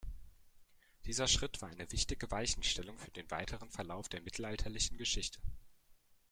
Dieser Schritt war eine wichtige Weichenstellung für den weiteren Verlauf der mittelalterlichen Geschichte.